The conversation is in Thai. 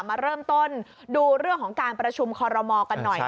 มาเริ่มต้นดูเรื่องของการประชุมคอรมอกันหน่อย